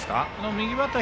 右バッター